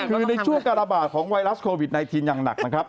คือในช่วงการระบาดของไวรัสโควิด๑๙อย่างหนักนะครับ